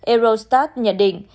eurostat nhận định